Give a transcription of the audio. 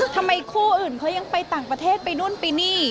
ทำไมคู่อื่นเขายังไปต่างประเทศไปนู่นไปนี่